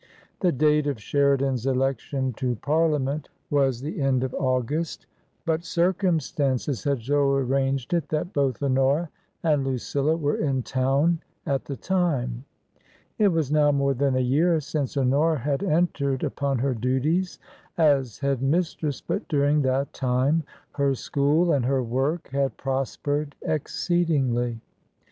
The date of Sheridan's election to Parliament was the end of August. But circumstances had so arranged it that both Honora and Lucilla were in town at the time. It was now more than a year since Honora had entered upon her duties as Head mistress, but during that time her school and her work had prospered exceedingly.